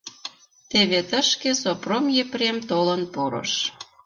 Теве тышке Сопром Епрем толын пурыш.